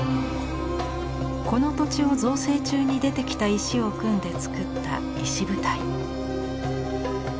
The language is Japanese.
この土地を造成中に出てきた石を組んで作った石舞台。